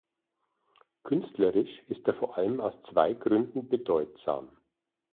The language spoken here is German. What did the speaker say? Künstlerisch ist er vor allem aus zwei Gründen bedeutsam.